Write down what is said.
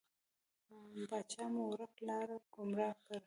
پاچا مو ورک لاری، ګمرا کړی.